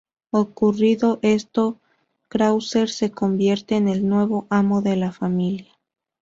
Ocurrido esto, Krauser se convierte en el nuevo amo de la familia.